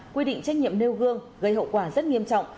quy định trách nhiệm nêu gương gây hậu quả rất nghiêm trọng